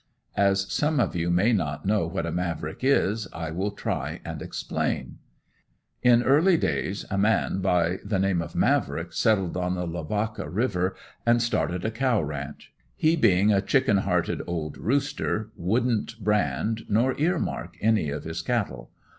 As some of you may not know what a "Mavrick" is, I will try and explain. In early days, a man by the name of Mavrick settled on the Lavaca river and started a cow ranch. He being a chicken hearted old rooster, wouldn't brand nor ear mark any of his cattle.